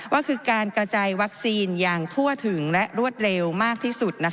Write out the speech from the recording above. ก็คือการกระจายวัคซีนอย่างทั่วถึงและรวดเร็วมากที่สุด